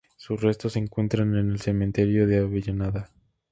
Sus restos se encuentran en el Cementerio de Avellaneda.